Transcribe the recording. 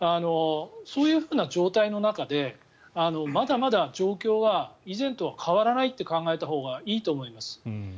そういう状態の中でまだまだ状況は以前とは変わらないと考えたほうがいいと思います。